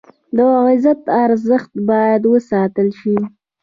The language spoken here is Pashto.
د عزت ارزښت باید وساتل شي.